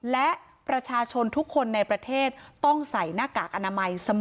และประชาชนทุกคนในประเทศต้องใส่หน้ากากอนามัยเสมอ